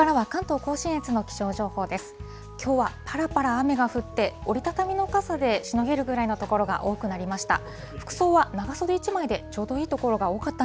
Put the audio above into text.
雨が降って、折り畳みの傘でしのげるぐらいの所が多くなりました。